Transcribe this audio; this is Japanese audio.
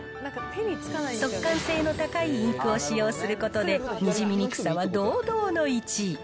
速乾性の高いインクを使用することで、にじみにくさは堂々の１位。